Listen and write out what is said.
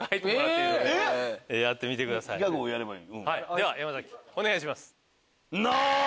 では山崎お願いします。